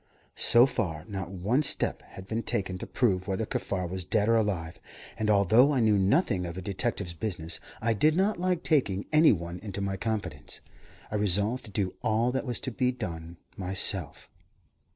So far, not one step had been taken to prove whether Kaffar was dead or alive, and although I knew nothing of a detective's business, I did not like taking any one into my confidence. I resolved to do all that was to be done myself.